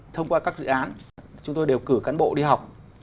thông qua các dự án chúng tôi đều cử cán bộ đi học